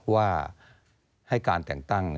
ว่าให้การแต่งตั้ง